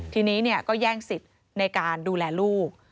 ทีนี้ก็แย่งสิทธิ์ในการดูแลลูก